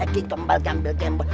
kikumbal gambil kembal